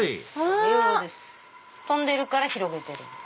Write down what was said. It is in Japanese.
飛んでるから広げてる。